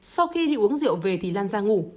sau khi đi uống rượu về thì lan ra ngủ